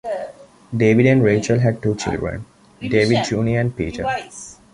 David and Rachael had two children, David Junior and Peter.